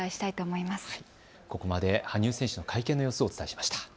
ここまで羽生選手の会見のもようをお伝えしました。